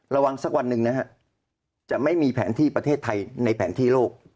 ระวังสักวันหนึ่งนะฮะจะไม่มีแผนที่ประเทศไทยในแผนที่โลก